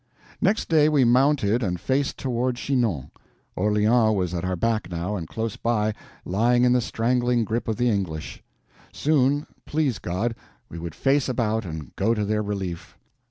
Next day we mounted and faced toward Chinon. Orleans was at our back now, and close by, lying in the strangling grip of the English; soon, please God, we would face about and go to their relief.